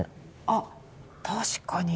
あ確かに。